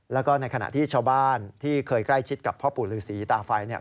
แล้วก็ในขณะที่ชาวบ้านที่เคยใกล้ชิดกับพ่อปู่ฤษีตาไฟเนี่ย